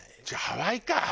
じゃあハワイか。